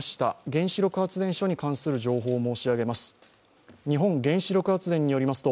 原子力発電所に関する情報を申し上げます。